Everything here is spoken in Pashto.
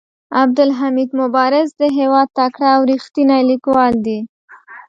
عبدالحمید مبارز د هيواد تکړه او ريښتيني ليکوال دي.